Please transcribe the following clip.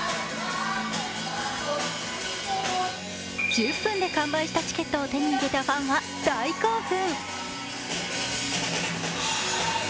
１０分で完売したチケットを手に入れたファンは大興奮。